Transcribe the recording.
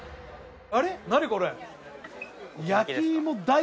あれ？